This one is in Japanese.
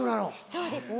そうですね